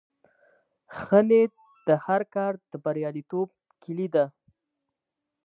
ښه نیت د هر کار د بریالیتوب کیلي ده.